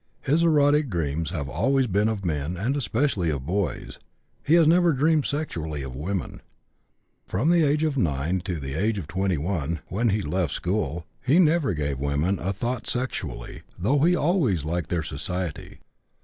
His erotic dreams have always been of men and especially of boys; he has never dreamed sexually of women. From the age of 9 to the age of 21, when he left school, he never gave women a thought sexually, though he always liked their society.